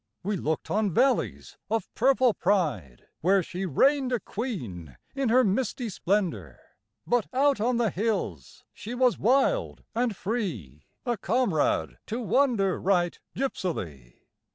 We looked on valleys of purple pride Where she reigned a queen in her misty splendor; But out on the hills she was wild and free, A comrade to wander right gipsily.